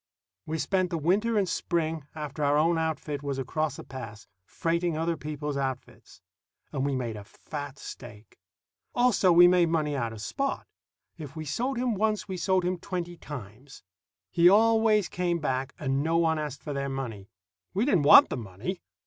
We spent the winter and spring, after our own outfit was across the pass, freighting other people's outfits; and we made a fat stake. Also, we made money out of Spot. If we sold him once, we sold him twenty times. He always came back, and no one asked for their money. We didn't want the money.